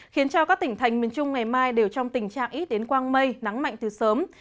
khiến cho các tỉnh thành miền trung ngày mai đều trong tình trạng ít đến quang mây nắng mạnh từ sớm